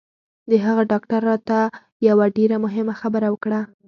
د هغه ډاکتر راته یوه ډېره مهمه خبره وکړه